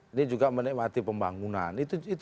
ini juga menikmati pembangunan